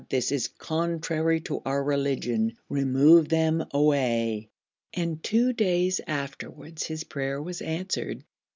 this is contrary to our religion; remove them away!' and two days afterwards his prayer was answered.